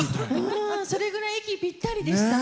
それぐらい息ぴったりでした。